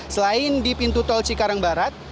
selain di pintu tol cikarang barat